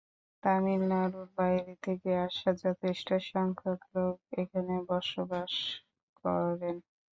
তামিলনাড়ুর বাইরে থেকে আসা যথেষ্ট সংখ্যক লোক এখানে বসবাস করেন।